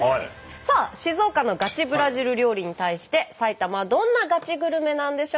さあ静岡のガチブラジル料理に対して埼玉はどんなガチグルメなんでしょうか？